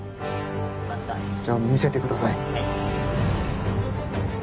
じゃあ見せてください。